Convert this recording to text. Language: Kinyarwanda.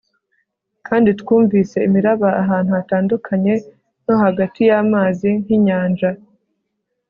kandi twumvise imiraba ahantu hatandukanye no hagati yamazi nkinyanja